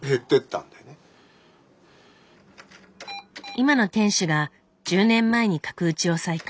今の店主が１０年前に角打ちを再開。